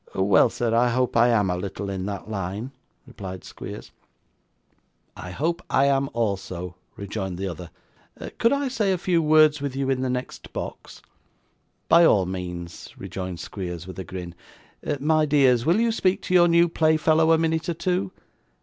'Well, sir, I hope I am a little in that line,' replied Squeers. 'I hope I am also,' rejoined the other. 'Could I say a few words with you in the next box?' 'By all means,' rejoined Squeers with a grin. 'My dears, will you speak to your new playfellow a minute or two?